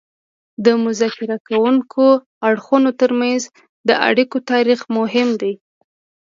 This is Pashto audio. د مذاکره کوونکو اړخونو ترمنځ د اړیکو تاریخ مهم دی